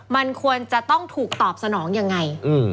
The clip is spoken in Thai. มันควรจะต้องถูกตอบสนองยังไง